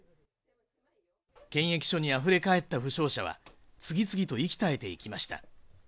検疫所に溢れかえった負傷者は次々と息絶えていきました。